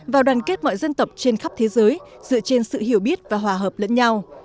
và đoàn kết mọi dân tộc trên khắp thế giới dựa trên sự hiểu biết và hòa hợp lẫn nhau